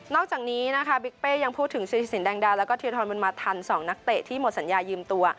อกจากนี้นะคะบิ๊กเป้ยังพูดถึงศิริสินแดงดาแล้วก็เทียทรบุญมาทัน๒นักเตะที่หมดสัญญายืมตัว